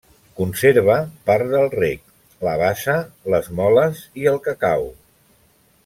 Conserva part del rec, la bassa, les moles i el cacau.